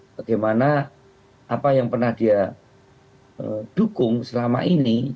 bagaimana apa yang pernah dia dukung selama ini